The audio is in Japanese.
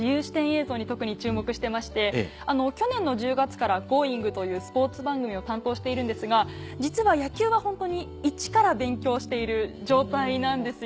映像に特に注目してまして去年の１０月から『Ｇｏｉｎｇ！』というスポーツ番組を担当しているんですが実は野球はホントにイチから勉強している状態なんですよ。